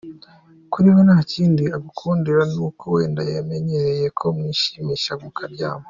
Kuri we nta kindi agukundira ni uko wenda yamenyereye ko mwishimisha, mukaryama.